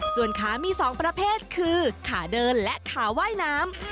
ส่วนขามี๒ประเภทคือขาเดินและขาว่ายน้ำ